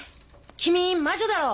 君魔女だろ？